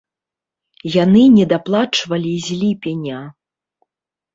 Яны недаплачвалі з ліпеня.